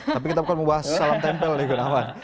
tapi kita bukan membahas salam tempel nih gunawan